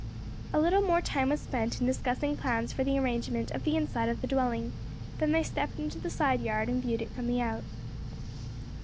A little more time was spent in discussing plans for the arrangement of the inside of the dwelling; then they stepped into the side yard and viewed it from the out.